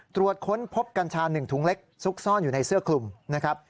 ตรวจค้นพบกัญชา๑ถุงเล็กซุกซ่อนอยู่ในเสื้อคลุมนะครับ